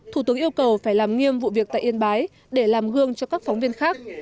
thủ tướng yêu cầu phải làm nghiêm vụ việc tại yên bái để làm gương cho các phóng viên khác